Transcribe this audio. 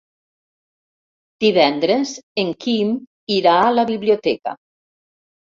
Divendres en Quim irà a la biblioteca.